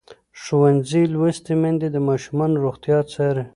ښوونځې لوستې میندې د ماشومانو روغتیا څاري.